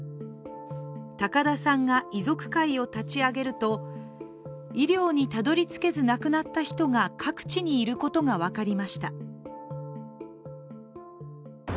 高田さんが遺族会を立ち上げると、医療にたどり着けず亡くなった人が各地にいることが分かりました。